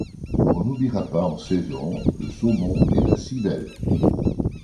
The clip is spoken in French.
On n'oubliera pas, en saison, le saumon et la civelle.